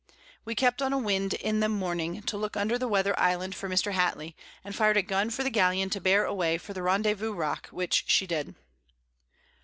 We kept on a Wind in the Morning to look under the Weather Island for Mr. Hatley, and fired a Gun for the Galleon to bear away for the Rendevouz Rock, which she did.